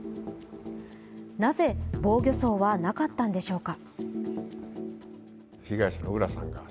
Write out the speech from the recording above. なぜ防御創はなかったのでしょうか。